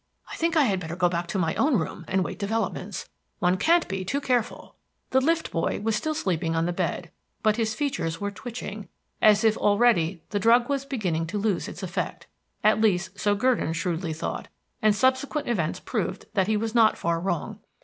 "I think I had better go back to my own room, and wait developments. One can't be too careful." The lift boy was still sleeping on the bed; but his features were twitching, as if already the drug was beginning to lose its effect. At least, so Gurdon shrewdly thought, and subsequent events proved that he was not far wrong.